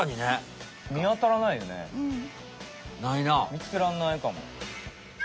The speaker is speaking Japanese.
見つけらんないかも。